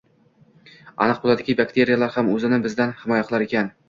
Aniq bo‘ldiki, bakteriyalar ham o‘zini bizdan himoya qilar ekan: